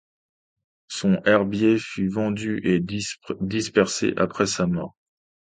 Son herbier fut vendu et dispersé après sa mort.